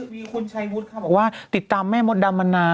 มีคนใช้มูลค่ะบอกว่าติดตามแม่มดดามนา